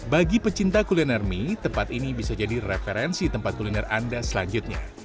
bagi pecinta kuliner mie tempat ini bisa jadi referensi tempat kuliner anda selanjutnya